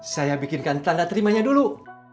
saya bikinkan tanda terimanya dulu